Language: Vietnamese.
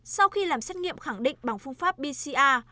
sau khi làm xét nghiệm khẳng định bằng phương pháp bca